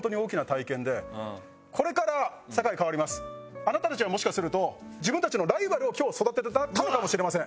あなたたちはもしかすると自分たちのライバルを今日育ててたのかもしれません。